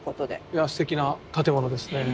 いやすてきな建物ですね。